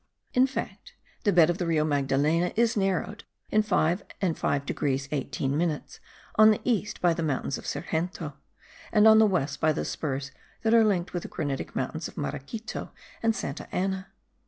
In fact, the bed of the Rio Magdalena is narrowed in 5 and 5 degrees 18 minutes, on the east by the mountains of Sergento, and on the west by the spurs that are linked with the granitic mountains of Maraquito and Santa Ana.